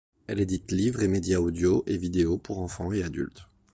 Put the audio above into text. Elle édite livres et médias audios et vidéos pour enfants et adultes.